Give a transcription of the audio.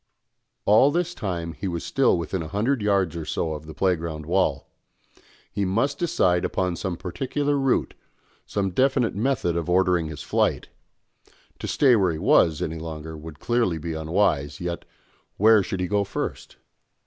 All this time he was still within a hundred yards or so of the playground wall; he must decide upon some particular route, some definite method of ordering his flight; to stay where he was any longer would clearly be unwise, yet, where should he go first?